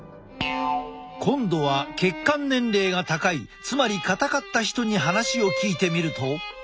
今度は血管年齢が高いつまり硬かった人に話を聞いてみると。